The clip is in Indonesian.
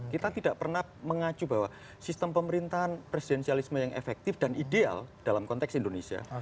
kita tidak pernah mengacu bahwa sistem pemerintahan presidensialisme yang efektif dan ideal dalam konteks indonesia